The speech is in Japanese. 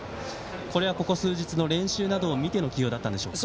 これはここ数日の練習などを見ての起用だったんでしょうか。